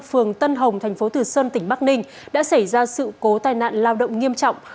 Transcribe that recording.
phường tân hồng thành phố từ sơn tỉnh bắc ninh đã xảy ra sự cố tai nạn lao động nghiêm trọng